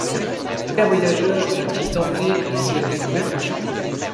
aucun voyageur n’a-t-il tenté de nouvelles découvertes ?